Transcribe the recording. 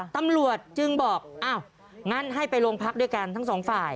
ตำรวจจึงบอกอ้าวงั้นให้ไปโรงพักด้วยกันทั้งสองฝ่าย